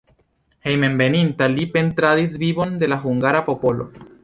Hejmenveninta li pentradis vivon de la hungara popolo.